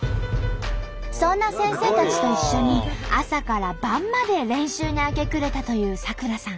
そんな先生たちと一緒に朝から晩まで練習に明け暮れたという咲楽さん。